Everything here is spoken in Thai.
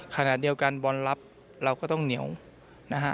ขณะเดียวกันบอลลับเราก็ต้องเหนียวนะฮะ